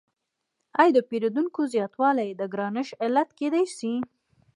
آیا د پیرودونکو زیاتوالی د ګرانښت علت کیدای شي؟